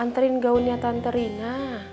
anterin gaunnya tante rina